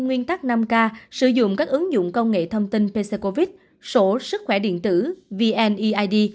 nguyên tắc năm k sử dụng các ứng dụng công nghệ thông tin pc covid sổ sức khỏe điện tử vneid